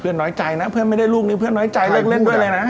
น้อยใจนะเพื่อนไม่ได้ลูกนี้เพื่อนน้อยใจเลิกเล่นด้วยเลยนะ